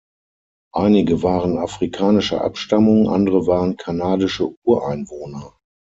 Einige waren afrikanischer Abstammung, andere waren kanadische Ureinwohner.